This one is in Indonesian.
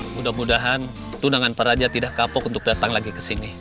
mudah mudahan tunangan pak raja tidak kapok untuk datang lagi kesini